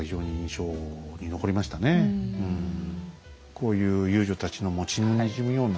こういう遊女たちのもう血のにじむような。